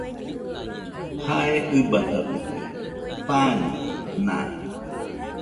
Jae ɨbatatikue, pan naa.